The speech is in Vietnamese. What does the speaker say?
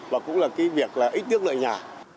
và cũng là cái việc là ít nhất lợi nhà